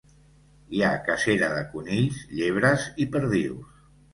Hi ha cacera, de conills, llebres i perdius.